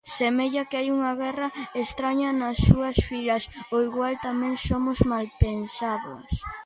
Semella que hai unha guerra estraña nas súas filas, ou igual tamén somos malpensadas.